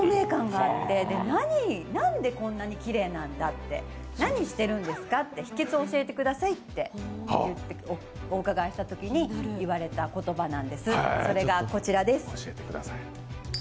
何でこんなにきれいなんだって何してるんですかって秘けつ教えてくださいってお伺いしたときにいわれた言葉なんです、それがこちらです。